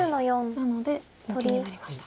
なので抜きになりました。